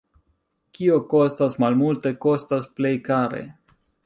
Kio kostas malmulte, kostas plej kare.